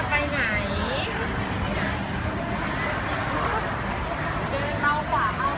คอยเล่าจริง